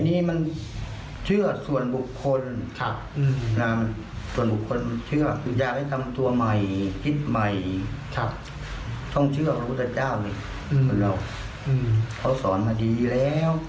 นี่แหละค่ะถ้าป่วยก็หาหมอค่ะถูกต้องค่ะ